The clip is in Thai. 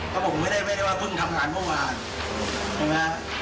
ครับผมไม่ได้ว่าเพิ่งทำงานเมื่อวานนะเมี้ย